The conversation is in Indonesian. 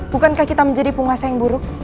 bukankah kita menjadi penguasa yang buruk